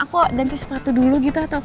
kok ganti sepatu dulu gitu